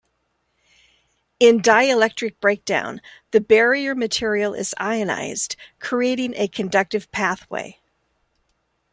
In dielectric breakdown the barrier material is ionized, creating a conductive pathway.